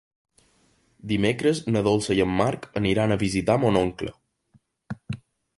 Dimecres na Dolça i en Marc aniran a visitar mon oncle.